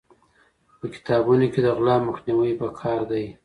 په کتابونو کې د غلا مخنیوی پکار دی.